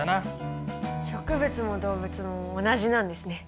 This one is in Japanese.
植物も動物も同じなんですね。